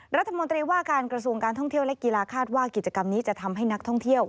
รัฐมนตรีว่าการกระทรวงการท่องเที่ยวและกีฬาคาดว่ากิจกรรมนี้จะทำให้นักท่องเที่ยว